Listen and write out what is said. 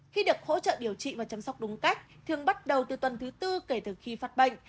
khi được hỗ trợ điều trị và chăm sóc đúng cách thường bắt đầu từ tuần thứ tư kể từ khi phát bệnh